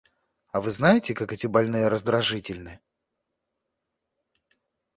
А вы знаете, как эти больные раздражительны.